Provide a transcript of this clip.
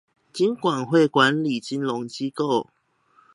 金管會管理金融機構